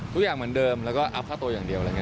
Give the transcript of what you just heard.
ทุกอย่างเหมือนเดิมแล้วก็อัพค่าโตอย่างเดียว